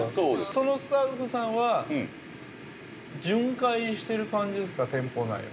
◆そのスタッフさんは巡回してる感じですか、店舗内を。